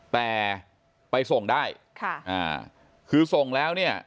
แต่ไปส่งได้ค่ะอ่าคือส่งแล้วเนี่ย